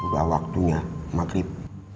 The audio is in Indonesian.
sudah waktunya maghrib